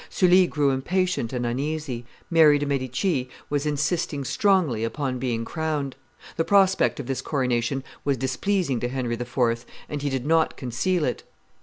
Sully grew impatient and uneasy. Mary de' Medici was insisting strongly upon being crowned. The prospect of this coronation was displeasing to Henry IV., and he did not conceal it.